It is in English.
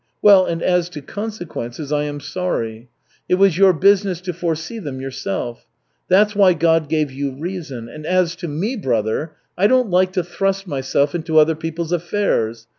Well, and as to consequences I am sorry. It was your business to foresee them yourself. That's why God gave you reason. And as to me, brother, I don't like to thrust myself into other people's affairs.